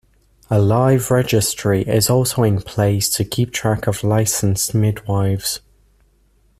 A live registry is also in place to keep track of licensed midwives.